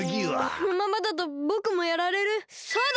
このままだとぼくもやられるそうだ！